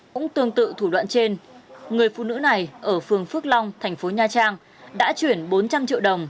cũng tương tự thủ đoạn trên người phụ nữ này ở phường phước long thành phố nha trang đã chuyển bốn trăm linh triệu đồng